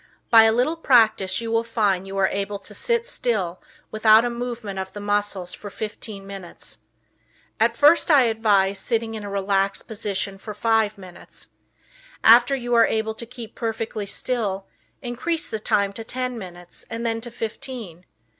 By a little practice you will find you are able to sit still without a movement of the muscles for fifteen minutes. At first I advise sitting in a relaxed position for five minutes. After you are able to keep perfectly still, increase the time to ten minutes and then to fifteen.